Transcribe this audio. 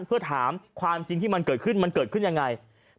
เพื่อถามความจริงที่มันเกิดขึ้นมันเกิดขึ้นยังไง